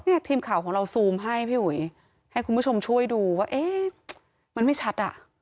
ทีมข่าวของเราซูมให้พี่อุ๋ยให้คุณผู้ชมช่วยดูว่าเอ๊ะมันไม่ชัดอ่ะ